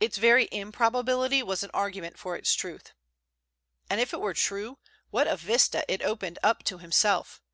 It's very improbability was an argument for its truth. And if it were true, what a vista it opened up to himself!